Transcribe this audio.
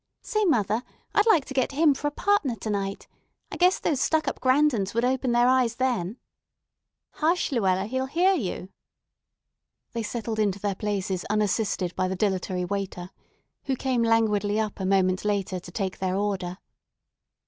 Say, mother, I'd like to get him for a partner to night. I guess those stuck up Grandons would open their eyes then." "Hush, Luella; he'll hear you." They settled into their places unassisted by the dilatory waiter, who came languidly up a moment later to take their order.